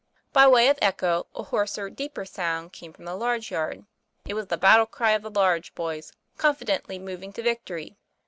By way of echo, a hoarser, deeper sound came from the large yard; it was the battle cry of the large boys, confidently moving to victory.